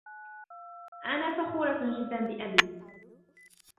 أنا فخورة جدا بأبي.